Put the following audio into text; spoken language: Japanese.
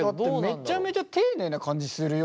めっちゃめちゃ丁寧な感じするよ。